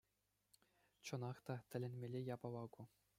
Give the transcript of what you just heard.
Чӑнах та, тӗлӗнмелле япала ку.